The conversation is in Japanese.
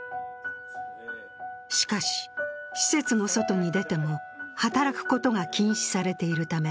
しかし、施設の外へ出ても、働くことが禁止されているため、